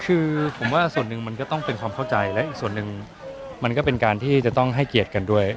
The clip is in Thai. คือผมว่าส่วนหนึ่งมันก็ต้องเป็นความเข้าใจและอีกส่วนหนึ่งมันก็เป็นการที่จะต้องให้เกียรติกันด้วย